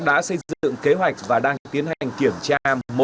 đã xây dựng kế hoạch và đang tiến hành kiểm tra